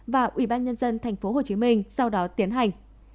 và ủy ban nhân dân thành phố hồ chí minh sau đó tiến hành